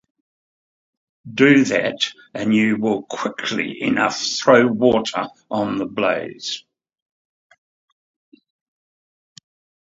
Do that, and you will quickly enough throw water on the blaze.